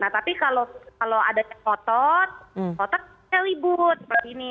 nah tapi kalau ada yang ngotot ototnya ribut seperti ini